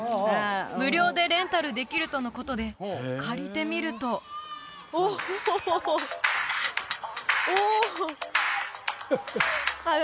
無料でレンタルできるとのことで借りてみるとオホホホホおおああ